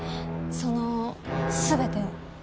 その全てを。